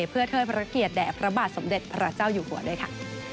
เพื่อเทิดพระเกียรติแด่พระบาทสมเด็จพระเจ้าอยู่หัวด้วยค่ะ